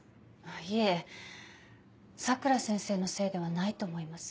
いえ佐倉先生のせいではないと思います。